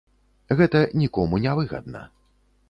Гэта нікому не выгадна.